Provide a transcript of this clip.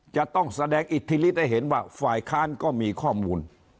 จะต้องแสดงอิทธิฤทธิให้เห็นว่าฝ่ายค้านก็มีข้อมูล